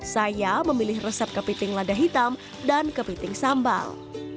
saya memilih resep kepiting lada hitam dan kepiting sambal